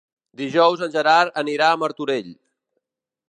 Dijous en Gerard anirà a Martorell.